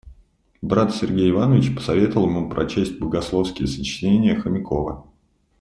Брат Сергей Иванович посоветовал ему прочесть богословские сочинения Хомякова.